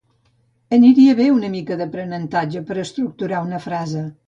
Aniria bé una mica d'aprenentatge per estructurar una frase